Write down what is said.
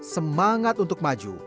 semangat untuk maju